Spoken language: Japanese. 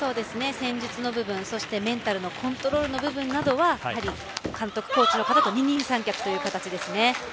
戦術の部分メンタルのコントロールの部分などは監督コーチの方と二人三脚という形ですね。